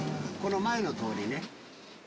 この前の通りね。